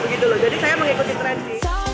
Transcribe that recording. jadi saya mengikuti tren sih